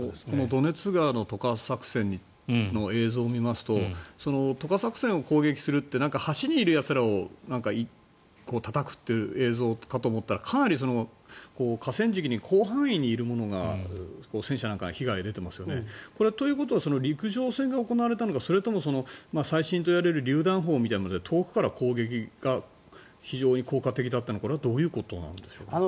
ドネツ川の渡河作戦の映像を見ますと渡河作戦を攻撃するって橋にいるやつらをたたくという映像かと思ったらかなり河川敷に広範囲にいるものが戦車なんか被害が出てますよね。ということは陸上戦で行われたのかそれとも最新といわれるりゅう弾砲で遠くからの攻撃が非常に効果的だったのかこれはどういうことでしょうか。